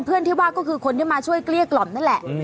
เพื่อนที่ว่าก็คือคนที่มาช่วยเกลี้ยกล่อมนั่นแหละ